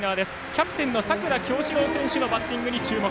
キャプテンの佐倉侠史朗選手のバッティングに注目。